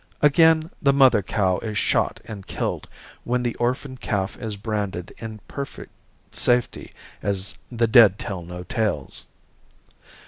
Again, the mother cow is shot and killed, when the orphan calf is branded in perfect safety as "the dead tell no tales."